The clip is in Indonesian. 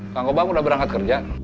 kang gobang udah berangkat kerja